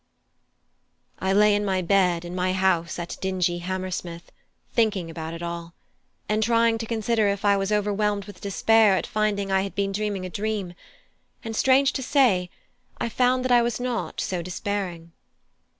I lay in my bed in my house at dingy Hammersmith thinking about it all; and trying to consider if I was overwhelmed with despair at finding I had been dreaming a dream; and strange to say, I found that I was not so despairing.